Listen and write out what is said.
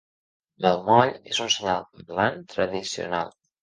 El moll és un senyal parlant tradicional.